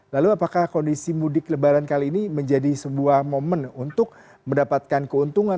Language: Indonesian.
lalu apakah kondisi mudik lebaran kali ini menjadi sebuah momen untuk mendapatkan keuntungan